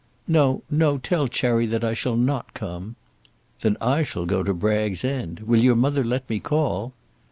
"No, no; tell Cherry that I shall not come." "Then I shall go to Bragg's End. Will your mother let me call?"